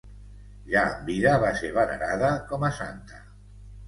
Ja en vida va ser venerada com a santa.